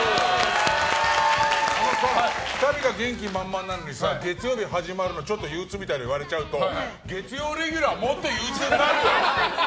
あのさ、２人が元気満々なのに月曜日始まるのちょっと憂鬱みたく言われちゃうと月曜レギュラーもっと憂鬱になるよ！